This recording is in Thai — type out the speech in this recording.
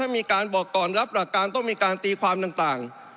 ต้องมีการบอกกรรณ์รับรักการต้องมีการตีความต่าง